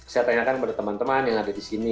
saya tanyakan kepada teman teman yang ada di sini